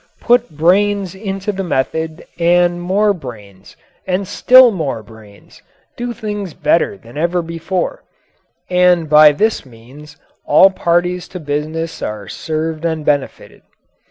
Put brains into the method, and more brains, and still more brains do things better than ever before; and by this means all parties to business are served and benefited.